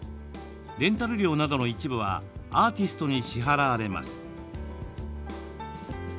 レンタル料などの一部はアーティストに支払われます。